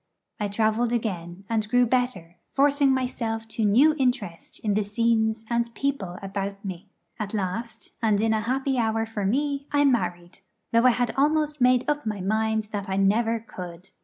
I travelled again, and grew better, forcing myself to new interest in the scenes and people about me. At last, and in a happy hour for me, I married; though I had almost made up my mind that I never could.